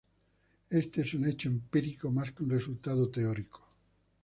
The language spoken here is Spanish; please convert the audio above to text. Este es un hecho empírico más que un resultado teórico.